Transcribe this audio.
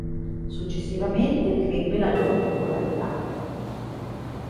Successivamente, crebbe la loro popolarità.